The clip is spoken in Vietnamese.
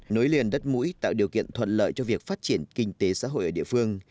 nối liền đất mũi tạo điều kiện thuận lợi cho việc phát triển kinh tế xã hội ở địa phương